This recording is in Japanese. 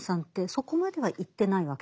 そこまでは言ってないわけですよ。